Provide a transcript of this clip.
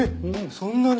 そんなに？